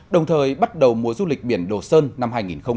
đồng thời bắt đầu mùa du lịch biển đồ sơn năm hai nghìn một mươi chín